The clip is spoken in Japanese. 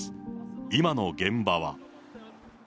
今の現場は。